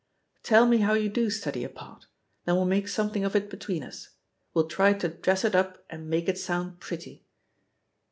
Tell me how you do study a part. Then we'll make some thing of it between us; we'll try to dress it up and make it soimd pretty."